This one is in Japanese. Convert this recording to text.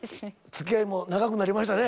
つきあいも長くなりましたね。